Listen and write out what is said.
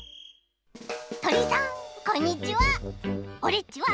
とりさんこんにちは。